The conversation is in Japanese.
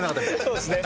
そうですね。